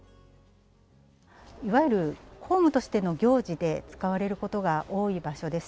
いわゆる公務としての行事で使われることが多い場所です。